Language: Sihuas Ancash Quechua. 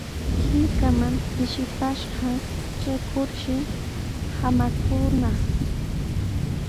Hirkaman pishipashqa traykurshi samaykunaq.